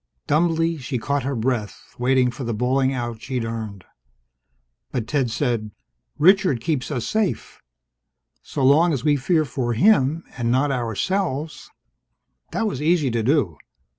Dumbly she caught her breath, waiting for the bawling out she'd earned. But Ted said, "Richard keeps us safe. So long as we fear for him, and not ourselves " That was easy to do.